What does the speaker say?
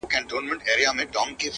وي دردونه په سيــــنـــــوكـــــــــي!!